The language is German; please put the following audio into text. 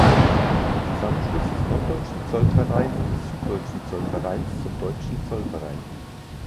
Zusammenschluss des Norddeutschen Zollverein und des Süddeutschen Zollvereins zum Deutschen Zollverein.